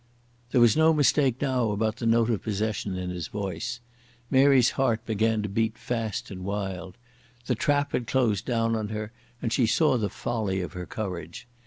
There was no mistake now about the note of possession in his voice. Mary's heart began to beat fast and wild. The trap had closed down on her and she saw the folly of her courage.